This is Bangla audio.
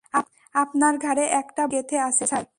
আপনার ঘাড়ে একটা বড়শি গেঁথে আছে, স্যার!